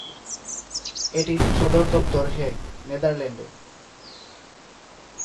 এটির সদর দপ্তর হেগ, নেদারল্যান্ডে।